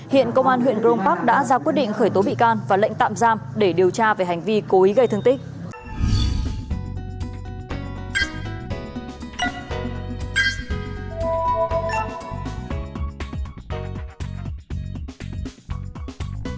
hiện công an huyện grong park đã ra quyết định khởi tố bị can và lệnh tạm giam để điều tra về hành vi cố ý gây thương tích